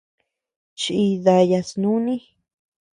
Chii daya snuni.